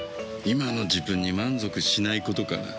今の自分に満足しないことかな。